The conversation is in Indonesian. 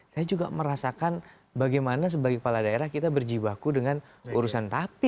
saya juga merasakan bagaimana sebagai kepala daerah kita berjibaku dengan urusan tapi